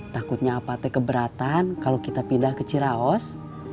takutnya apa apa keberatan kalau kita pindah ke ciraos